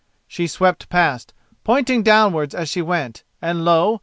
She swept past, pointing downwards as she went, and lo!